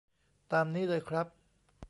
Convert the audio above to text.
ตามนี้เลยครับ